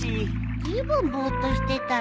ずいぶんぼーっとしてたね。